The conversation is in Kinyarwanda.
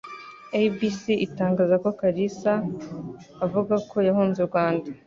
ABC itangaza ko Kalisa avuga ko yahunze u Rwanda